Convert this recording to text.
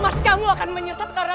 mas kamu akan menyusap karena